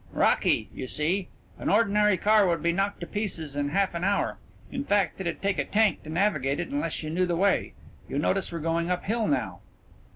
"Rocky, you see. An ordinary car would be knocked to pieces in half an hour. In fact, it'd take a tank to navigate it unless you knew the way. You notice we're going uphill now."